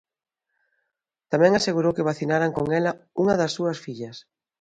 Tamén asegurou que vacinaran con ela unha das súas fillas.